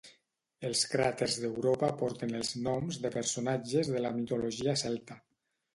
Els cràters d'Europa porten els noms de personatges de la mitologia celta.